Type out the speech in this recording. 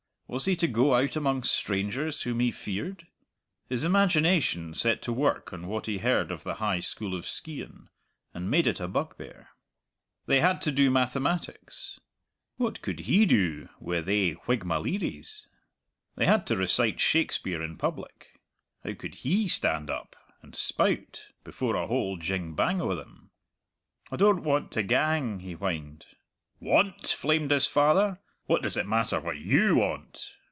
Was he to go out among strangers whom he feared? His imagination set to work on what he heard of the High School of Skeighan, and made it a bugbear. They had to do mathematics; what could he do wi' thae whigmaleeries? They had to recite Shakespeare in public; how could he stand up and spout, before a whole jing bang o' them? "I don't want to gang," he whined. "Want?" flamed his father. "What does it matter what you want?